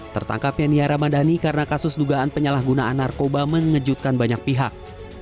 tertangkapnya nia ramadhani karena kasus dugaan penyalahgunaan narkoba mengejutkan banyak pihak